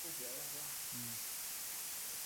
佐藤大是一位日本足球选手。